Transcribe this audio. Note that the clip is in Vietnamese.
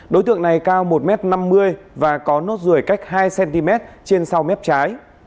đối tượng này cao một m năm mươi và có nốt ruồi cách hai cm trên sau mép trái